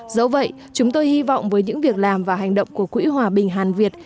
dẫu vậy chúng tôi hy vọng với những việc làm và hành động của quỹ hòa bình hàn việt